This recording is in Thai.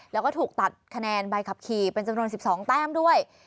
แล้วก็ถูกตัดคะแนนใบขับขี่เป็นจำนวน๑๒แต้มด้วย